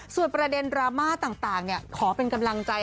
ส่วนประเด็นดราม่าต่างขอเป็นกำลังใจ